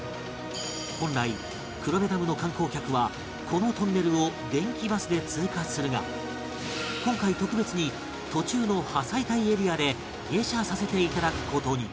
本来黒部ダムの観光客はこのトンネルを電気バスで通過するが今回特別に途中の破砕帯エリアで下車させて頂く事に